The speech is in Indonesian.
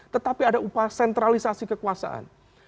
tetapi ada upaya sentralisasi kekuasaan